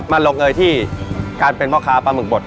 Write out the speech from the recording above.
ลงเอยที่การเป็นพ่อค้าปลาหมึกบด